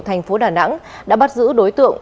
thành phố đà nẵng đã bắt giữ đối tượng